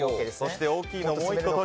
大きいのを１個。